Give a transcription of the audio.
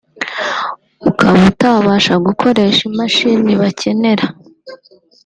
ukaba utabasha gukoresha imashini bakenera